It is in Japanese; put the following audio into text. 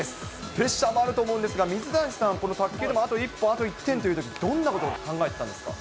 プレッシャーもあると思うんですが、水谷さん、この卓球でもあと一歩、あと１点というときにどんなことを考えてたんですか。